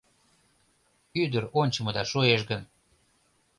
Ӱдыр ончымыда шуэш гын